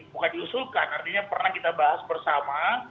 bukan diusulkan artinya pernah kita bahas bersama